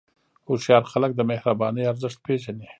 هوښیار خلک د مهربانۍ ارزښت پېژني.